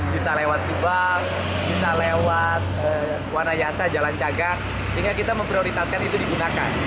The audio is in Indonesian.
bisa lewat subang bisa lewat wanayasa jalan cagak sehingga kita memprioritaskan itu digunakan